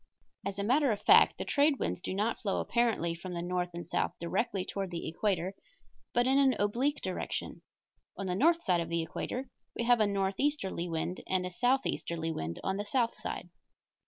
As a matter of fact, the trade winds do not flow apparently from the north and south directly toward the equator, but in an oblique direction. On the north side of the equator we have a northeasterly wind, and a southeasterly wind on the south side.